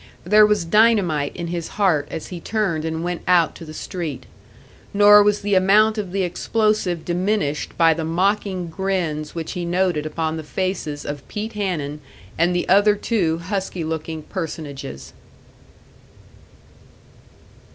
There was dynamite in his heart as he turned and went out to the street; nor was the amount of the explosive diminished by the mocking grins which he noted upon the faces of Pete Hanun and the other two husky looking personages.